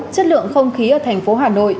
chất lượng không khí ở thành phố hà nội